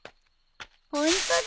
ホントだ！